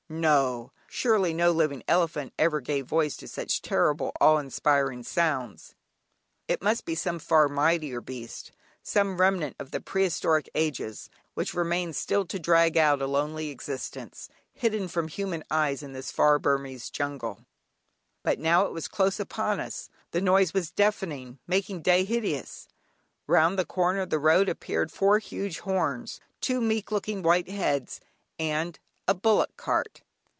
No! surely no living elephant ever gave voice to such terrible, awe inspiring sounds. It must be some far mightier beast, some remnant of the prehistoric ages, which remained still to drag out a lonely existence, hidden from human eyes, in this far Burmese jungle. But now it was close upon us; the noise was deafening, making day hideous; round the corner of the road appeared four huge, horns, two meek looking white heads, and a bullock cart.